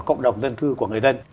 cộng đồng dân cư của người dân